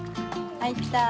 はいった。